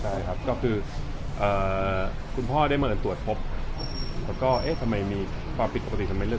ได้ครับก็คือคุณพ่อได้เมินตรวจพบแล้วก็เอ๊ะทำไมมีความผิดปกติทำไมเลือก